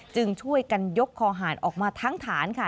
จึงช่วยกันยกคอหารออกมาทั้งฐานค่ะ